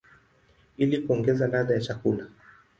ili kuongeza ladha ya chakula.